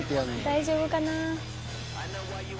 「大丈夫かな？」